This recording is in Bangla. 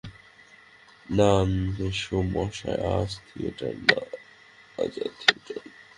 না মেসোমশায়, আজ আর থিয়েটার না।